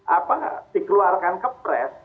apa dikeluarkan kepres